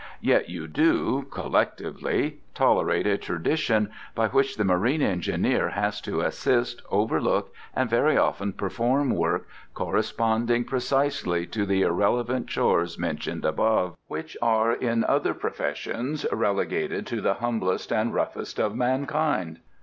Yet you do, collectively, tolerate a tradition by which the marine engineer has to assist, overlook, and very often perform work corresponding precisely to the irrelevant chores mentioned above, which are in other professions relegated to the humblest and roughest of mankind.